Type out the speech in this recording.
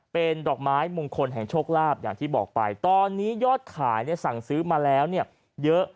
เป็นดอกไม้มงคลแห่งโชคลาภอย่างที่บอกไปตอนนี้ยอดขายสั่งซื้อมาแล้วเนี่ยเยอะ